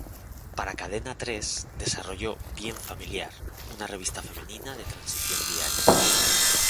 Para Cadena Tres, desarrolló "Bien Familiar", una revista femenina de transmisión diaria.